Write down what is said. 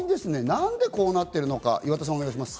何でこうなっているのか、岩田さんお願いします。